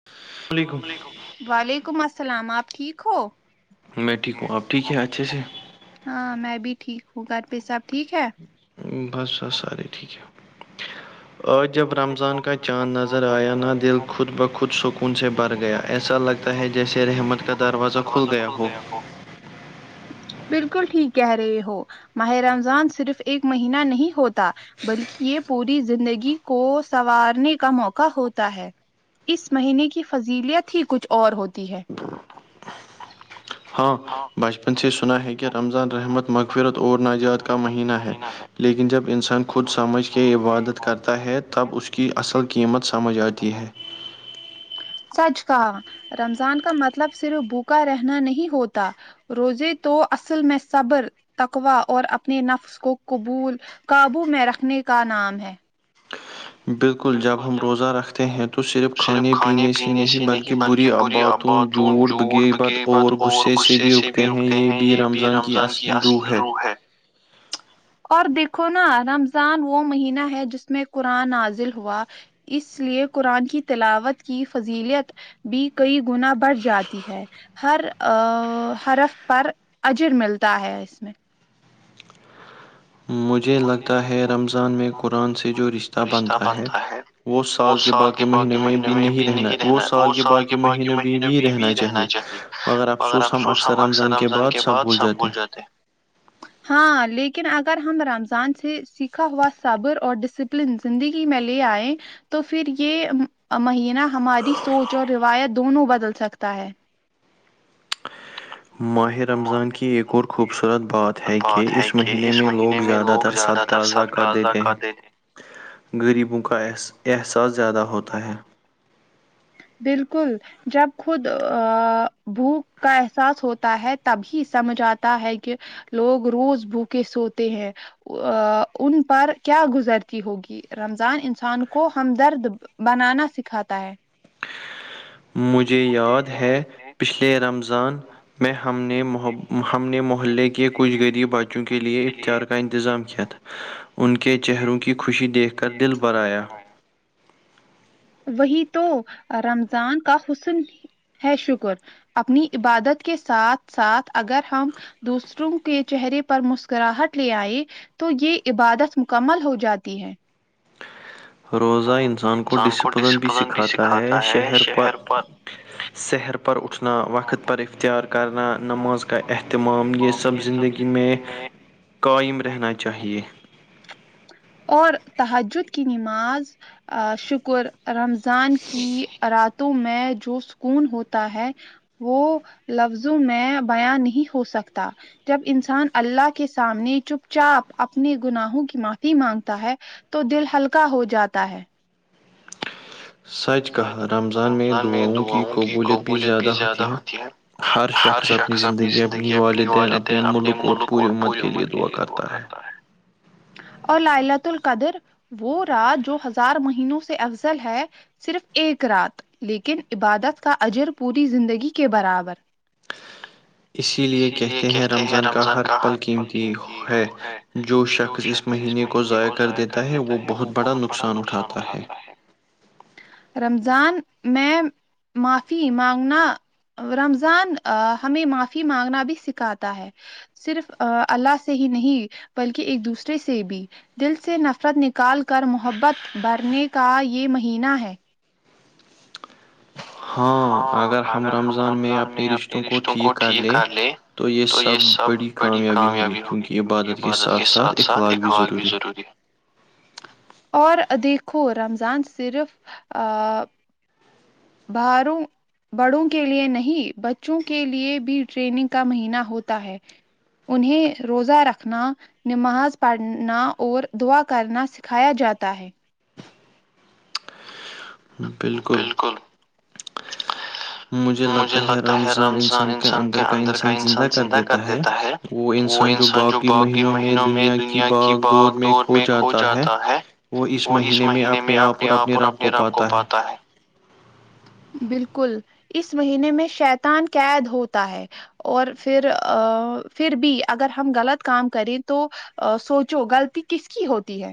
اللام علیکم [unintelligible] وعلیکم السلام آپ ٹھیک ہو میں ٹھیک ہوں آب ٹھیک ہے ہیں اچھے سے ہاں میں بھی ٹھیک ہوں گھر پہ سب ٹھیک ہے بس بس ساراری ٹھیک ہے آج جب رمضان کا چاند نظر آیا نہ دل خود بخود سکون سے بھر گیا ایسا لگ ہے جیسے رحمت کا دروازہ کھل گیا ہو بالکل ٹھیک کہہ رہے ہو ماہ رمضان صرف ایک مہینہ نہیں ہوتا بلکہ یہ پوری زندگی کو سنوارنے کا موقع ہوتا ہے اس مہینے کی فضیلیت ہی کچھ اور ہوتی ہے ہاں بچپ [unintelligible] سے سنا ہے کہ رمضان رحمت مغفرت اور ناجاد کا مہینہ ہے لیکن جب انسان کو خود سمجھ کے عبادت کرتا ہے تب اس کی اصل قیمت سمجھ آتی ہے سچ کہاں رمضان کا مطلب صرف بھوکا رہنا نہیں ہوتا روزے تو اصل میں صبر تکوا اور اپنے نفس کو قبول قابو میں رکھنے کا نام ہے بالکل جب ہم روزہ رکھتے ہیں تو صرف کھانے پینے سے نہیں بلکہ بری آبات [inaudible] جھوٹ بگے بت اور غصے سے بھی رکتے ہیں یہ بھی رمضان کی اصل روح ہے [unintelligible] اور دیکھو نا رمضان وہ مہینہ ہے جس میں قرآن عازل ہوا [unintelligible] اس لیے قرآن کی تلاوت کی فضیلیت بھی کئی گنا بڑھ جاتی ہے ہر حرف پر اجیر ملتا ہے اس میں مجھے لگتا ہے رمضان میں قرآن سے جو رشتہ بنتا ہے [unintelligible] [inaudible] وہ سال کے باقی مہینےوں میں بھی نہیں رہنا وہ سال کے باقی مہینےوں میں بھی رہنا چاہیے مگر افسوس ہم اکثر رمضان کے بعد سب بھول جاتے ہاں لیکن اگر ہم رمضان سے سیکھا ہوا صابر اور ڈسپلن زندگی میں لے آئیں تو پھر یہ مہینہ ہماری سوچ اور روایت دونوں بدل سکتا ہے ہ [unintelligible] ماہ رمضان کی ایک اور خوبصورت بات ہے کہ اس مہینے میں لوگ لوگ زیادہ تر صدقہ اضا کر دیتے ہیں غریبوں کا احساس زیادہ ہوتا ہے بالکل جب خود ا بھوک کا احساس ہوتا ہے تبھی سمجھ آتا ہے کہ لوگ روز بھوکے سوتے ہیں ان پر کیا گزرتی ہوگی رمضان انسان کو ہمدرد بنانا سکھاتا ہے مجھے یاد ہے پچھلے رمضان میں ہم نے ہم نے محلے کے کچھ غریب بچوں کے لیے افطار کا انتظام کیا تھا ان کے چہروں کی خوشی دیکھ کر دل برایا [inaudible] وہی تو رمضان کا حسن ہے شکر اپنی عبادت کے ساتھ ساتھ اگر ہم دوسروں کے چہرے پر مسکراہٹ لے آئے تو یہ عبادت مکمل ہو جاتی ہے روزہ انسان کو ڈسپلن بھی سکھاتا ہے شہر پر سحر پر اٹھنا وقت پر افتیار کرنا نماز کا اہتمام یہ سب زندگی میں قائم رہنا چاہیے اور تہجد کی نماز شکر رمضان کی راتوں میں جو سکون ہوتا ہے وہ لفظوں میں بیاں نہیں ہو سکتا جب انسان اللہ کے سامنے چپ چاپ اپنے گناہوں کی مافی مانگتا ہے تو دل ہلکا ہو جاتا ہے سچ کہا رمضان میں دعاؤوں کی قبولیت بھی زیادہ ہوتی ہے ہر شخص اپنی زندگی اپنی والدین اپنے ملک اور پوری امت کے لیئے دعا کرتا ہے اور لائلۃ القدر وہ رات جو ہزار مہینوں سے افضل ہے صرف ایک رات لیکن عبادت کا اجر پوری زندگی کے برابر [inaudible] اسی لیے کہتے ہیں رمضان کا ہر پل قیمتی ہے جو شخص اس مہینے کو ضائع کر دیتا ہے وہ بہت بڑا نقصان اٹھاتا ہے رمضان میں معافی مانگنا رمضان ہمیں معافی مانگنا بھی سکھاتا ہے صرف اللہ سے ہی نہیں بلکہ ایک دوسرے سے بھی دل سے نفرت نکال کر محبت بھرنے کا یہ مہینہ ہے ہاں اگر ہم رمضان میں اپنے رشتوں کو ٹھیک کر لے تو یہ سب بڑی کامیابی ہوگی کیونکہ عبادت کے ساتھ ساتھ اخلاق بھی ضروری ہے [inaudible] اور دیکھو رمضان صرف آ باروں بڑوں کے لیے نہیں بچوں کے لیے بھی ٹریننگ کا مہینہ ہوتا ہے انہیں روزہ رکھنا نماز پڑھنا اور دعا کرنا سکھایا جاتا ہے بالکل مجھے لگتا ہے رمضان انسان کے اندر کا انسان زندہ کر دیتا ہے وہ انسان جو باقی مہینوں میں دنیا کی باغ دور میں کھو جاتا ہے وہ اس مہینے میں اپنے آپ اور اپنے رب کو پاتا ہے بالکل اس مہینے میں شیتان قید ہوتا ہے اور پھر پھر بھی اگر ہم غلط کام کریں تو سوچو غلطی کس کی ہوتی ہے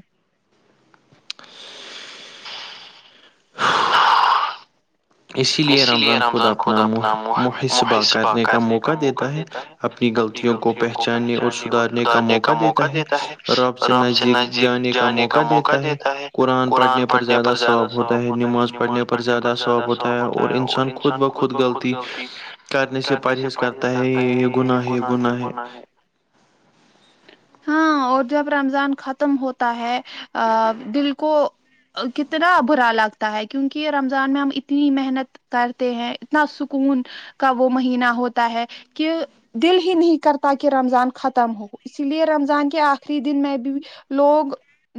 اسی لیے رمضان خود اپنامح محسبہ کرنے کا موقع دیتا ہے اپنی غلطیوں کو پہچاننے اور سدھارنے کا موقع دیتا ہے رب سے نزدیک جانے کا موقع دیتا ہے قرآن پڑھنے پر زیادہ ثواب ہوتا ہے نماز پڑھنے پر پر زیادہ سواب ہوتا ہے اور انسان خود بخود غلطی کرنے سے پرہیز کرتا ہے یہ گناہ ہے یہ گناہ ہے [inaudible] ہاں اور جب رمضان ختم ہوتا ہے ا دل کو کتنا برا لگتا ہے کیونکہ رمضان میں ہم اتنی محنت کرتے ہیں اتنا سکون کا وہ مہینہ ہوتا ہے کہ دل ہی نہیں کرتا کہ رمضان ختم ہو اسی لیے رمضان کے آخری دن میں بھی لوگ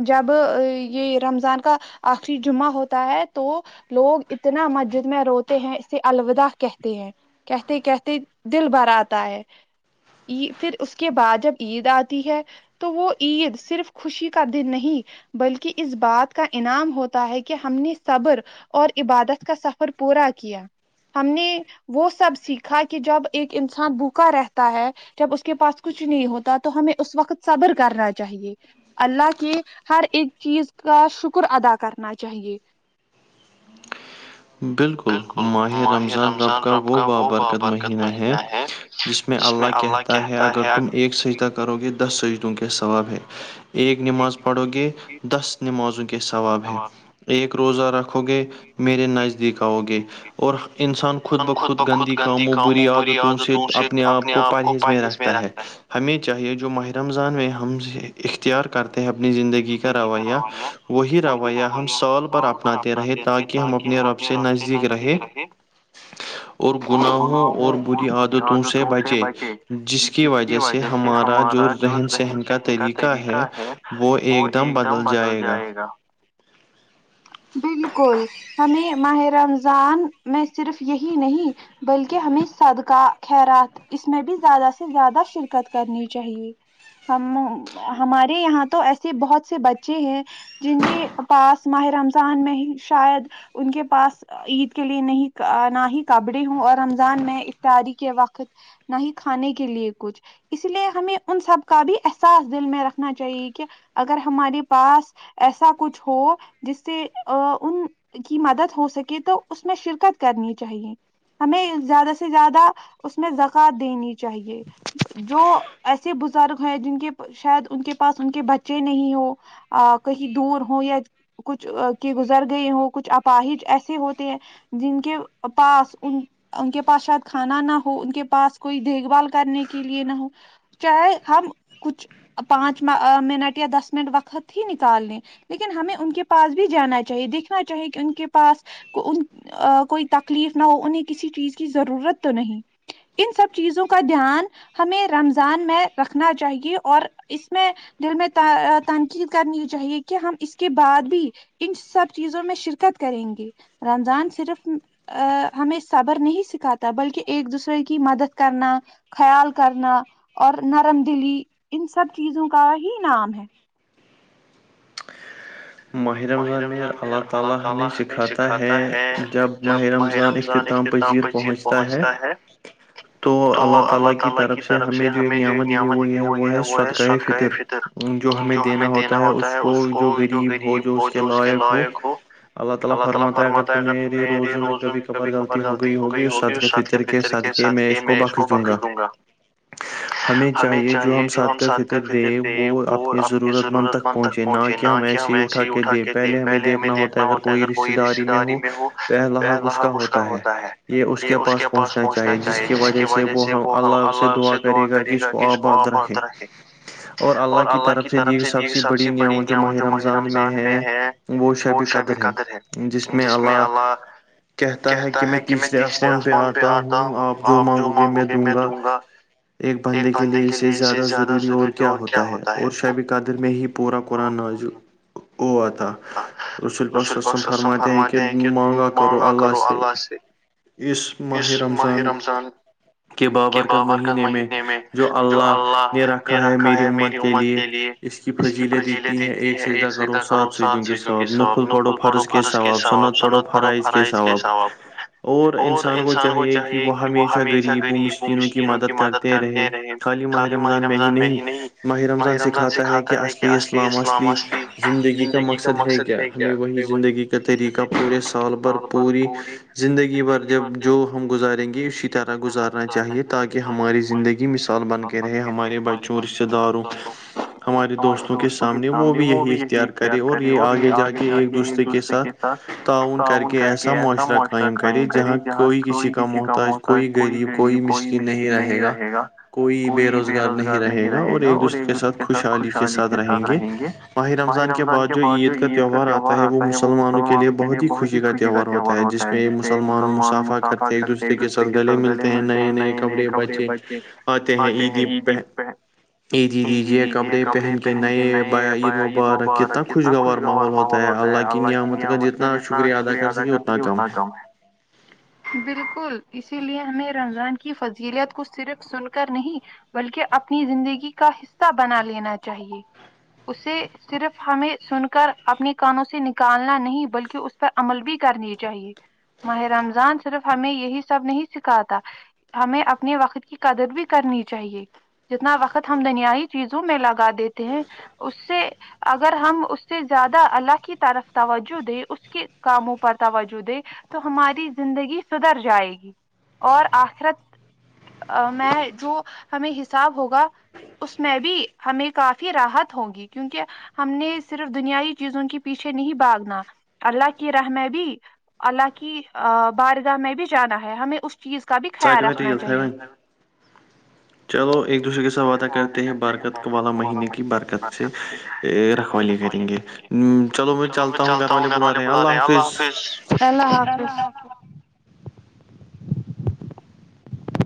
جب یہ رمضان کا آخری جمعہ ہوتا ہے تو لوگ اتنا مجد میں روتے ہیں اسے الوداع کہتے ہیں کہتے کہتے دل بر آتا ہے ع پھر اس کے بعد جب عید آتی ہے تو وہ عید صرف خوشی کا دن نہیں بلکہ اس بات کا انعام ہوتا ہے کہ ہم نے صبر اور عبادت کا سفر پورا کیا ہم نے وہ سب سیکھا کہ جب ایک انسان بوکا رہتا ہے جب اس کے پاس کچھ نہیں ہوتا تو ہمیں اس وقت صبر کرنا چاہیے اللہ کے ہر ایک چیز کا شکر ادا کرنا چاہیے بالکل ماہ رمضان رب کا وہ بابرکت مہینہ ہے جس میں اللہ کہتا ہے اگر تم ایک سجدہ کرو گے دس سجدوں کے ثباب ہے ایک نماز پڑھو گے دس نمازوں کے ثواب ہے ایک روزہ رکھو گے میرے نائ دیکھاؤ گے اور انسان خود بخود گندی کاموں بری عادتوں سے اپ اپنے آپ کو پرہیز میں رکھتا ہے ہمیں چاہیے جو ماہ رمضان میں ہم سے اختیار کرتے ہیں اپنی زندگی کا رویہ وہی رویہ ہم سال پر اپ اپناتے رہے تاکہ ہم ہم سے نزدیک رہے اور گناہوں اور بری عادتوں سے بچے جس کی وجہ سے ہمارا جو رہن سہن کا طریقہ ہے وہ ایک دم بدل جائے گا بالکل ہمیں ماہ رمضان میں صرف یہی نہیں بلکہ ہمیں صدقہ خیرات اس میں بھی زیادہ سے زیادہ شرکت کرنی چاہیے ہم ہمارے یہاں تو ایسے بہت سے بچے ہیں جن کے پاس ماہ رمضان میں ہی شاید ان کے پاس عید کے لیے نہیں نہ ہی کبڑے ہوں اور رمضان میں افطاری کے وقت نہ ہی کھانے کے لیے کچھ اس لیے ہمیں ان سب کا بھی احساس دل میں رکھنا چاہیے کہ اگر ہمارے پاس ایسا کچھ ہو جس سے ا ان کی مدد ہو سکے تو اس میں شرکت کرنی چاہیے ہمیں زیادہ سے زیادہ اس میں زکوۃ دینی چاہیے جو ایسے بزرگ ہیں جن کے شاید ان کے پاس ان کے بچے نہیں ہو کہیں دور ہو یا کچھ کہ گزر گئے ہوں کچھ اپاہج ایسے ہوتے ہیں جن کے پاس ان ان کے پاس شاید کھانا نہ ہو ان کے پاس کوئی دیکھ بھال کرنے کے لیے نہ ہو چاہے ہم کچھ پانچ منٹ یا دس منٹ وقت ہی نکال لیں لیکن ہمیں ان کے پاس بھی جانا چاہیے دیکھنا چاہیے کہ ان کے پاس ان کوئی تکلیف نہ ہو انہیں کسی چیز کی ضرورت تو نہیں ان سب چیزوں کا دھیان ہمیں رمضان میں رکھنا چاہیے اور اس میں دل میں تنقید کرنی چاہیے کہ ہم اس کے بعد بھی ان سب چیزوں میں شرکت کریں گی رمضان صرف ا ہمیں صبر نہیں سکھاتا بلکہ ایک دوسرے کی مدد کرنا خیال کرنا اور نرم دلی ان سب چیزوں کا ہی نام ہے ماہ رمضان میں اللہ تعالی ہمیں سکھاتا ہے جب ماہ رمضان اختتام پر یر پہنچتا ہے تو اللہ تعالی کی طرف سے ہمیں جو ایک نعمت وہئی ہے وہ ہے سرد کااہ فطر جو ہمیں دینا ہوتا ہے اس کو جو غریب ہو جو اس کے لائق ہو اللہ تعالی فرماتا ہے اگر ت میرے روزوں میں کبھی کبار غلطی ہو گئی ہوگی اس ساتھ فطر کے سد کے میں اس کو بقی دوں گا ہمیں چاہیے جو ہم سادقہ فطر دیں وہ اپنی ضرورت تک پہنچے نہ کہ ہم ایسے اٹھا کے دے پہلے ہمیں دیکھنا ہوتا ہے اگر کوئی رشتتے داری میں ہو پ لحق اس کا ہوتا ہے یہ اس کے پاس پہنچنا چاہیے جس کی وجہ سے وہ ہم اللہ سے دعا کرے گا کہ اس کو آب [unintelligible] اور اللہ کی طرف سے دی گئی سب سے بڑی نؤ جو ماہ رمضان میں ہے وہ شب قدر ہے جس میں ال کہتا ہے کہ میں تیسرے آسمان پہ آتا ہوں آپ جو مانگو گے میں دوں گا ایک بندے کے لیئے اسے زیادہ ضروری اور کیا ہوتا ہے اور شبی قادر میں ہی پورا قران اوطا رسول پخص سم فرماتے ہیں کہ مانگا کرو اللہ سے اس ماہ رمضان کہ بابرکت مہینے میں جو اللہ نے رکھا ہے میری امت کے لیے اس کی فضیلیں دیتی ہیں ایک سجہ کر ساتھ سجیوں کے ثاب نفل پرو فرضز ثواب ص سنعت پرو فرائض کےس ثواب اور انسان کو چاہیے کہ وہ ہمیشہ غریبوں مسکینوں کی مدد کرتے رہے خالی ماہر رمضان میں ہی نہیں ماہر رمضان سکھاتا ہے کہ اصلی اسلام اصلی زندگی کا مقصد ہے کیا ہمیں وہی زندگی کا طریقہ پورے سال بھر پوری زندگی بھر جب جو ہم گزاریں گے اسی طرح گزارنا چاہیے تاکہ ہماری زندگی مثال بن گئی رہے ہمارے بچوں رشتے داروں ہمارے دوستوں کے سامنے وہ بھی یہی کیار کرے اور یہ آگے جا کے ایک دوسرے کے ساتھ تعاون کر کے ایسا معاشرہ قائم کرے جہاں کوئی کسی کا محتاج کوئی غریب کوئی مشکن نہیں رہے گا کوئی بے روزگار نہیں رہے گا اور ایک دوسرے کے ساتھ خوشحالی کے ساتھ رہیں گے وہ رمضان کے بعد جو عید کا تہوار آتا ہے وہ مسلمانوں کے لیے بہت ہی خوشی کا ہے تہوار ہوتا ہے جس میں مسلمان مسافہ کرتے ہیں ایک دوسرے کے ساتھ گلے ملتے ہیں نئے نئے کپڑے بچے آتے ہیں عیدی پہ عیدیدی یہے کپڑے پہن کے نئے بیا عید مبارک کتنا خوشگوار ماحول ہوتا ہے اللہ کی نعمت کا جتنا شکریہ ادا کر سکے اتنا کم ہے [unintelligible] بالکل اسی لیے ہمیں رمضان کی فضیلیت کو صرف سن کر نہیں بلکہ اپنی زندگی کا حصہ بنا لینا چاہیے اسے صرف ہمیں سن کر اپنی کانوں سے نکالنا نہیں بلکہ اس پر عمل بھی کرنی چاہیے ماہ رمضان صرف ہمیں یہی سب نہیں سکھاتا ہمیں اپنے وقت کی قدر بھی کرنی چاہیے جتنا وقت ہم دنیائی چیزوں میں لگا دیتے ہیں اس سے اگر ہم اس سے زیادہ اللہ کی طرف توجہ دیں اس کے کاموں پر توجہ دیں تو ہماری زندگی سدھر جائے گی اور آخرت میں جو ہمیں حساب ہوگا اس میں بھی ہمیں کافی راحت ہوگی کیونکہ ہم نے صرف دنیائی چیزوں کے پیچھے نہیں بھاگنا اللہ کی رحم بھی اللہ کی بارگاہ میں بھی جانا ہے ہمیں اس چیز کا بھی خیال رکھنا چاہیے چلو ایک دوسرے کے ساتھ وعدہ کرتے ہیں برکت والا مہینے کی برکت سے رکھوالی کریں گے چلو میں چلتا ہوں گھر والے بلا رہے ہیں اللہ حافظ اللہ حافظ